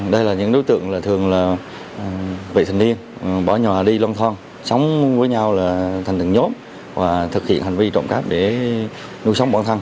đây là những đối tượng thường là vị thành viên bỏ nhà đi lon thon sống với nhau là thành thần nhóm và thực hiện hành vi trộm cắp để nuôi sống bản thân